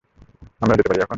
আমার যেতে পারি এখন?